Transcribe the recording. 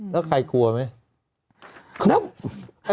แล้วใครกลัวไหม